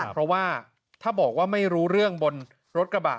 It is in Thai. เพราะว่าถ้าบอกว่าไม่รู้เรื่องบนรถกระบะ